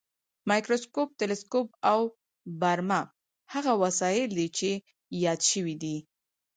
مایکروسکوپ، تلسکوپ او برمه هغه وسایل دي چې یاد شوي دي.